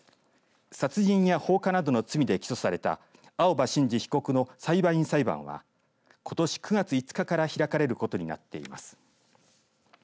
殺人や放火などの罪で起訴された青葉真司被告の裁判員裁判はことし９月５日から開かれることになっています。